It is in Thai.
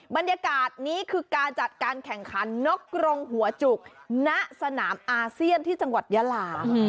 บรรยากาศนี้คือการจัดการแข่งขันนกกรงหัวจุกณสนามอาเซียนที่จังหวัดยาลา